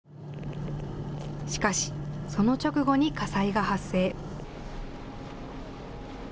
しかし、その直後に火災が発生。